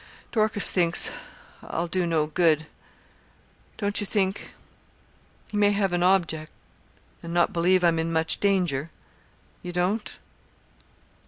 Dorcas thinks I'll do no good. Don't you think he may have an object and not believe I'm in much danger? You don't?'